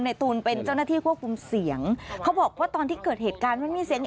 ตูนเป็นเจ้าหน้าที่ควบคุมเสียงเขาบอกว่าตอนที่เกิดเหตุการณ์มันมีเสียง